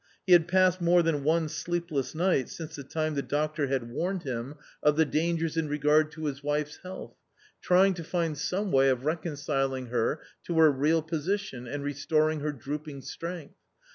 He had passed more than one sleepless night since the time the doctor had warned him of the A COMMON STORY 273 dangers in regard to his wife's health, trying to find some way of reconciling her to her real position and restoring her drooping strength.